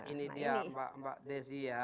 ini dia mbak desi ya